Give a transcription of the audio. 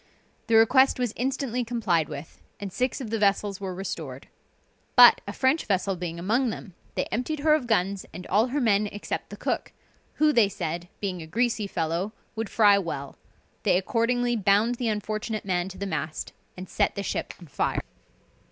The request was instantly complied with, and six of the vessels were restored. But a French vessel being among them, they emptied her of guns and all her men except the cook, who, they said, being a greasy fellow, would fry well; they accordingly bound the unfortunate man to the mast, and set the ship on fire.